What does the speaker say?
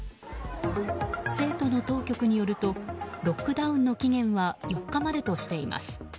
成都の当局によるとロックダウンの起源は４日までとしています。